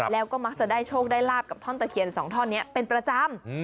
แล้วก็มักจะได้โชคได้ลาบกับท่อนตะเคียน๒ท่อนนี้เป็นประจำ